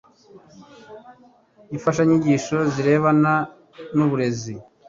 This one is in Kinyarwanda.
n imfashanyigisho zirebana n uburezi